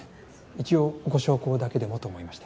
一応ご焼香だけでもと思いました。